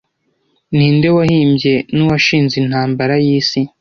Ninde wahimbye nuwashinze intambara y'isi